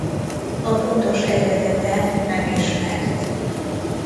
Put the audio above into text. A pontos eredete nem ismert.